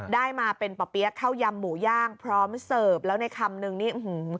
ได้มาเป็นป่อเปี๊ยะข้าวยำหมูย่างพร้อมเสิร์ฟแล้วในคำนึงนี่อื้อหือ